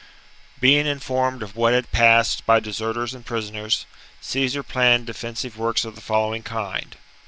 Being informed of what had passed by deserters and prisoners, Caesar planned defensive works of the following kind.